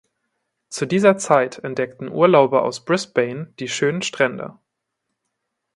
Zu dieser Zeit entdeckten Urlauber aus Brisbane die schönen Strände.